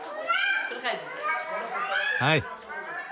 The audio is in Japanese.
はい。